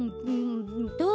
どう？